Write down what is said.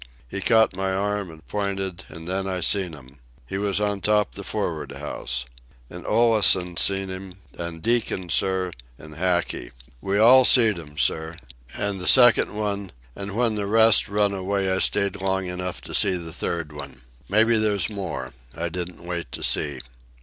He caught my arm an' pointed, an' then I seen 'm. He was on top the for'ard house. And Olansen seen 'm, an' Deacon, sir, an' Hackey. We all seen 'm, sir ... an' the second one; an' when the rest run away I stayed long enough to see the third one. Mebbe there's more. I didn't wait to see."